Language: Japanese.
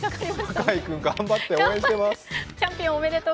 坂井君頑張って、応援してます！